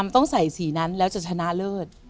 ต้องใส่สีนั้นแล้วจะชนะเลิศ